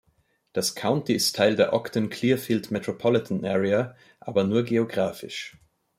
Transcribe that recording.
Das County ist Teil der "Ogden-Clearfield Metropolitan Area", aber nur geografisch.